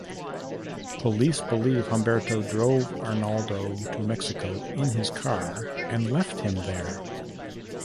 Police believe Humberto drove Arnoldo to Mexico in his car and left him there.